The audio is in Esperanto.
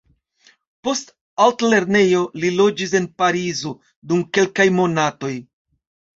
Post altlernejo, li loĝis en Parizo dum kelkaj monatoj.